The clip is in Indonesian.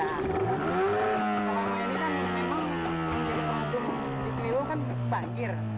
kalau ini kan memang cilewung kan banjir